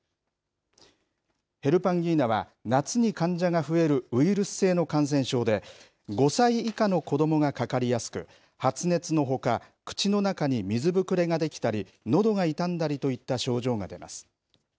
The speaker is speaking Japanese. ヘルパンギーナは、夏に患者が増えるウイルス性の感染症で、５歳以下の子どもがかかりやすく、発熱のほか、口の中に水ぶくれが出来たり、のどが痛んだりといった症状が出ます。